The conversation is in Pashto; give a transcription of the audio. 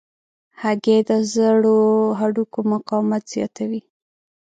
هګۍ د زړو هډوکو مقاومت زیاتوي.